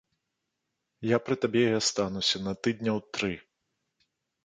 Я пры табе і астануся на тыдняў тры.